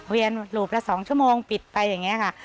เวียนหลูบละ๒ชั่วโมงปิดไปอย่างนี้ค่ะ